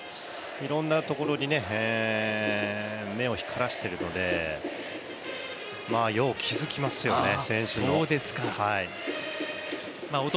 いろんなところに目を光らせているので、よう気づきますよね、選手のこと。